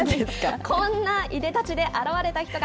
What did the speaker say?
こんないでたちで現れた人が。